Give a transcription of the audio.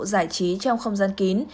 giải trí trong không gian kín